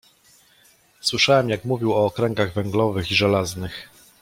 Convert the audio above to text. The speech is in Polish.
"Słyszałem jak mówił o okręgach węglowych i żelaznych."